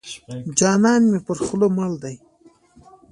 جانان مې پر خوله مړ دی.